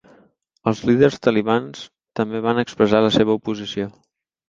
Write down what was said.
Els líders talibans també van expressar la seva oposició.